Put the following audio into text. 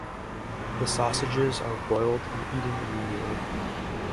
The sausages are boiled and eaten immediately.